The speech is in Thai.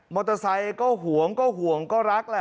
มอเตอร์ไซค์ก็ห่วงก็ห่วงก็รักแหละ